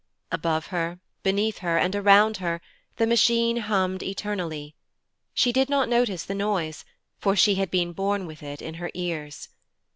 Above her, beneath her, and around her, the Machine hummed eternally; she did not notice the noise, for she had been born with it in her ears.